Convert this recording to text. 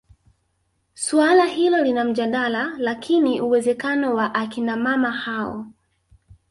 Suala hilo lina mjadala lakini uwezekano wa akina mama hao